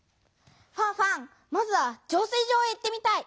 ファンファンまずは浄水場へ行ってみたい。